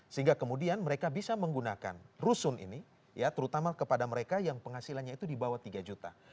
sehingga kemudian mereka bisa menggunakan rusun ini ya terutama kepada mereka yang penghasilannya itu di bawah tiga juta